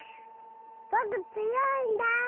ぼくつよいんだ！